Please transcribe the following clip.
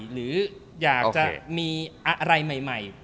หรืออยากจะมีอะไรใหม่